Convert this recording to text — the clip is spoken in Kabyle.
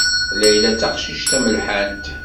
Layla d taqcict tamelḥant.